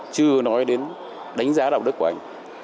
chưa nói đến đánh giá đạo đức của anh